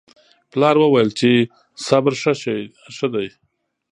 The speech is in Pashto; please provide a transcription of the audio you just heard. پلار وویل چې صبر ښه دی.